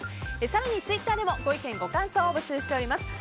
更にツイッターでもご意見、ご感想をお待ちしております。